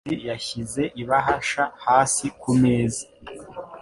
Murekezi yashyize ibahasha hasi kumeza.